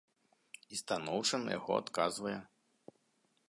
І станоўча на яго адказвае.